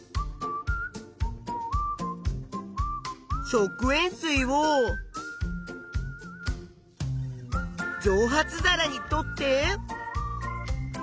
食塩水をじょう発皿に取って。